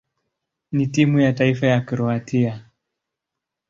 na timu ya taifa ya Kroatia.